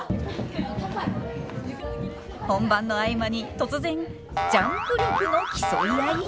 本番の合間に突然ジャンプ力の競い合い！？